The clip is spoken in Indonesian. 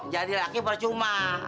jadi laki percuma